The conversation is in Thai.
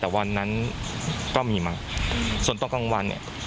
แต่วันนั้นก็มีมาส่วนตอนกลางวันเนี่ย